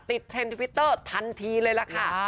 เทรนด์ทวิตเตอร์ทันทีเลยล่ะค่ะ